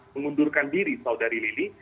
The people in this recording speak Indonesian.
mengundurkan diri saudari lili